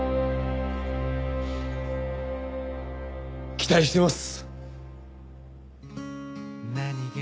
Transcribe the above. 期待してます。